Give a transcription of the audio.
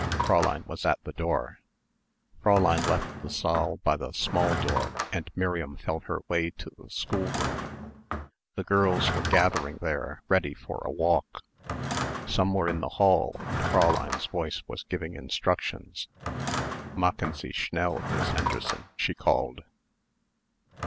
Fräulein was at the door. Fräulein left the saal by the small door and Miriam felt her way to the schoolroom. The girls were gathering there ready for a walk. Some were in the hall and Fräulein's voice was giving instructions: "Machen Sie schnell, Miss Henderson," she called.